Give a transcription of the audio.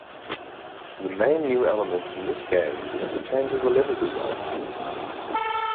The main new element in this game is the change of the level design.